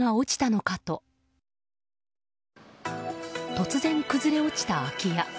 突然崩れ落ちた、空き家。